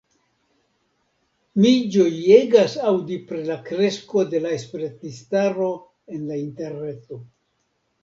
Mi ĝojegas aŭdi pri la kresko de la esperantistaro en la interreto.